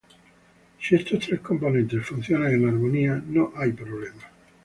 Si estos tres componentes funcionan en armonía, no hay problema.